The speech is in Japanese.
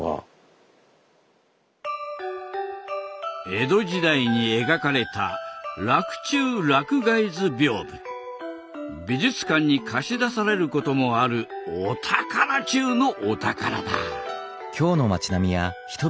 江戸時代に描かれた美術館に貸し出されることもあるお宝中のお宝だ。